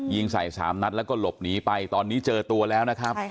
ยิงใส่๓นัดแล้วก็หลบหนีไปตอนนี้เจอตัวแล้วนะครับ